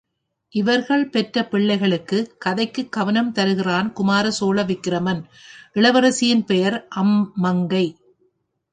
இவர்கள் பெற்ற பிள்ளைகளுள் கதைக்குக் கவனம் தருகிறான் குமார சோழ விக்கிரமன், இளவரசியின்பெயர் அம்மங்கை.